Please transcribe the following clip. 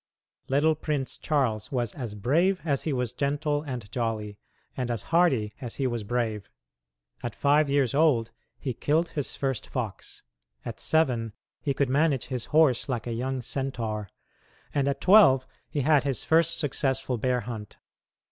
Little Prince Charles was as brave as he was gentle and jolly, and as hardy as he was brave. At five years old he killed his first fox; at seven he could manage his horse like a young centaur; and at twelve he had his first successful bear hunt.